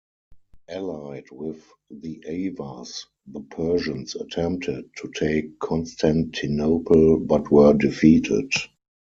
Allied with the Avars, the Persians attempted to take Constantinople, but were defeated.